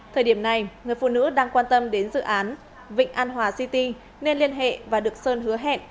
thời điểm này người phụ nữ đang quan tâm đến dự án vịnh an hòa city nên liên hệ và được sơn hứa hẹn